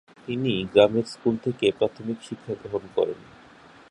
তিনি গ্রামের স্কুল থেকে প্রাথমিক শিক্ষাগ্রহণ করেন।